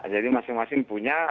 jadi masing masing punya